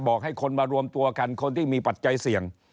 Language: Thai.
ให้คนมารวมตัวกันคนที่มีปัจจัยเสี่ยง